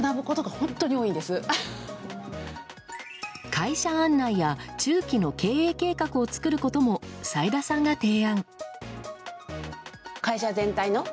会社案内や中期の経営計画を作ることも斉田さんが提案。